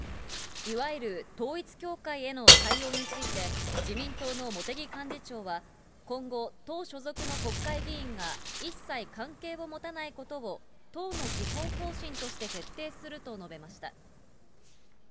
いわゆる統一教会への対応について、自民党の茂木幹事長は、今後、党所属の国会議員が一切関係を持たないことを、党の基本方針として徹底すると述べました。